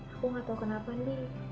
aku gak tau kenapa ndi